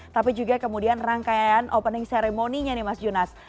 tapi juga kemudian rangkaian opening ceremony nya nih mas junas